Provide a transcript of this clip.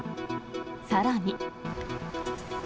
さらに。